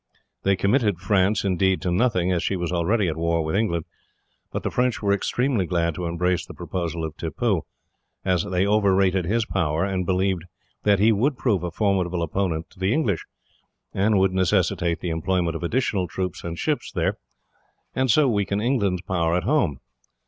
They committed France, indeed, to nothing, as she was already at war with England; but the French were extremely glad to embrace the proposal of Tippoo, as they overrated his power, and believed that he would prove a formidable opponent to the English, and would necessitate the employment of additional troops and ships there, and so weaken England's power at home.